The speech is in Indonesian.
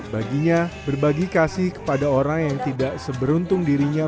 baginya berbagi kasih kepada orang yang tidak seberuntung dirinya